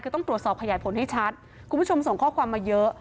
คือต้องตรวจสอบขยายผลให้ชัดคุณผู้ชมส่งข้อความมาเยอะ